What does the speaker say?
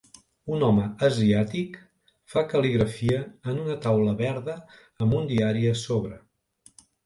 Un home asiàtic fa cal·ligrafia en una taula verda amb un diari a sobre.